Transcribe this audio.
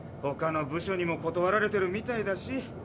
ほかの部署にも断られてるみたいだし。